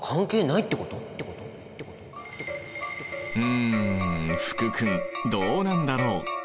うん福君どうなんだろう？